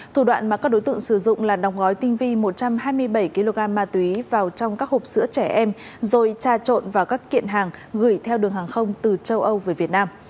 thủ đoạn mà các đối tượng sử dụng là đóng gói tinh vi một trăm hai mươi bảy kg ma túy vào trong các hộp sữa trẻ em rồi tra trộn vào các kiện hàng gửi theo đường hàng không từ châu âu về việt nam